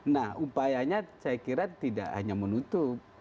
nah upayanya saya kira tidak hanya menutup